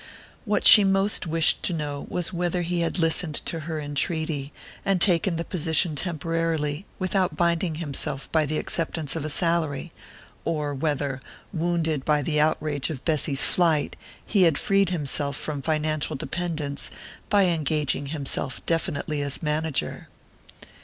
What she most wished to know was whether he had listened to her entreaty, and taken the position temporarily, without binding himself by the acceptance of a salary; or whether, wounded by the outrage of Bessy's flight, he had freed himself from financial dependence by engaging himself definitely as manager.